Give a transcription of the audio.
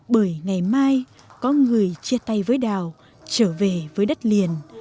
bởi ngày mai có người chia tay với đào trở về với đất liền